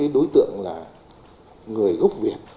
đối tượng là người gốc việt